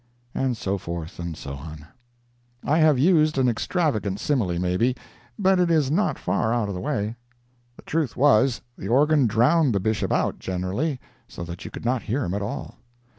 And so forth and so on. I have used an extravagant simile, maybe, but it is not far out of the way. The truth was, the organ drowned the Bishop out, generally, so that you could not hear him at all.